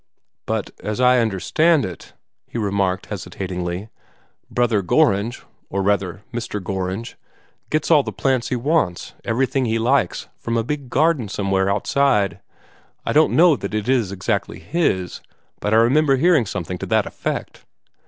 "But as I understand it," he remarked hesitatingly, "Brother Gorringe or rather Mr. Gorringe gets all the plants he wants, everything he likes, from a big garden somewhere outside. I don't know that it is exactly his; but I remember hearing something to that effect."